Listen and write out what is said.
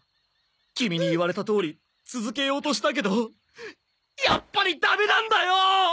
キミに言われたとおり続けようとしたけどやっぱりダメなんだよ！